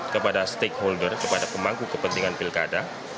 kepada stakeholder kepada pemangku kepentingan pilkada